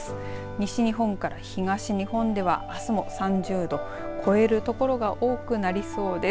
西日本から東日本ではあすも３０度超えるところが多くなりそうです。